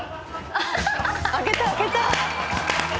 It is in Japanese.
開けた開けた。